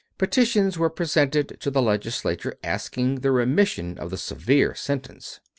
Petitions were presented to the legislature asking the remission of the severe sentence.